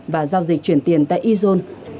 và giao dịch chuyển tiền tại ezone